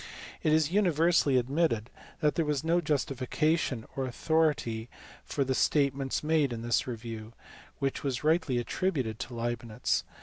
It is universally admitted that there was no justification or authority for the statements made in this review, which was rightly attributed to Leibnitz.